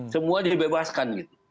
semua dibebaskan gitu